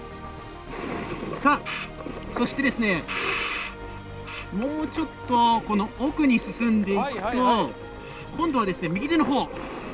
そして、もうちょっと奥に進んでいくと今度は右手の方。